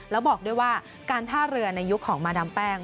แล้วบอกด้วยว่าการท่าเรือในยุคของมาดามแป้ง